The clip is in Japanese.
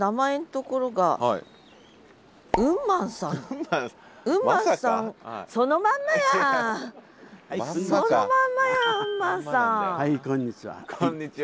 こんにちは。